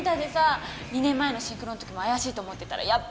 ２年前のシンクロのときも怪しいって思ってたらやっぱり妊娠。